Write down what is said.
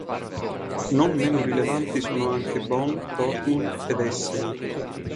Non meno rilevanti sono anche Bonn, Dortmund ed Essen.